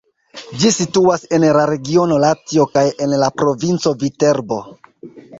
Ĝi situas en la regiono Latio kaj en la provinco Viterbo.